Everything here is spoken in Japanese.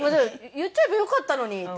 言っちゃえばよかったのにって。